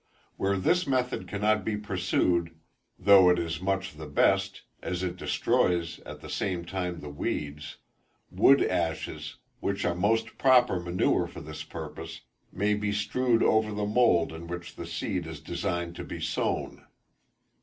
Where this method cannot be pursued (though it is much the best, as it destroys at the same time the weeds) wood ashes, which are most proper manure for this purpose, may be strewed over the mould in which the seed is designed to be sown.